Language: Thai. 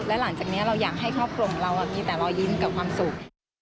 และหลังจากนี้เราอยากให้ครอบครัวของเรามีแต่รอยยิ้มกับความสุข